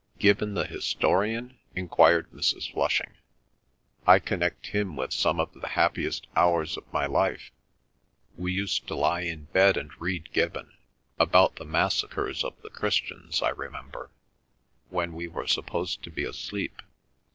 "Gibbon the historian?" enquired Mrs. Flushing. "I connect him with some of the happiest hours of my life. We used to lie in bed and read Gibbon—about the massacres of the Christians, I remember—when we were supposed to be asleep.